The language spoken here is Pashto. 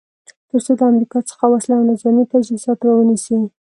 تر څو د امریکا څخه وسلې او نظامې تجهیزات را ونیسي.